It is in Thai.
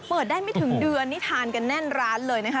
เปิดได้ไม่ถึงเดือนนี่ทานกันแน่นร้านเลยนะคะ